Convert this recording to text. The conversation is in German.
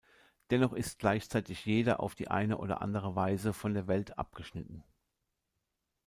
Dennoch ist gleichzeitig jeder auf die eine oder andere Weise von der Welt abgeschnitten.